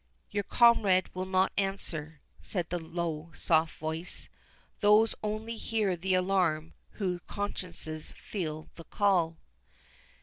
"Your comrade will not answer," said the low soft voice. "Those only hear the alarm whose consciences feel the call!"